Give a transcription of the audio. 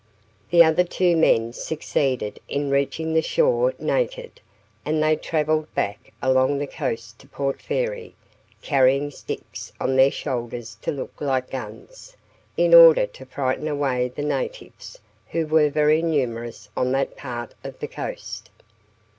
The other two men succeeded in reaching the shore naked, and they travelled back along the coast to Port Fairy, carrying sticks on their shoulders to look like guns, in order to frighten away the natives, who were very numerous on that part of the coast.